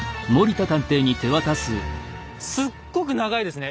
すっごく長いですね。